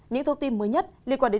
những thông tin mới nhất liên quan đến